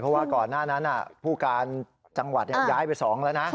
เพราะว่าก่อนหน้านั้นผู้การจังหวัดย้ายไป๒แล้วนะ